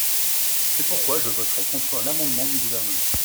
C’est pourquoi je voterai contre l’amendement du Gouvernement.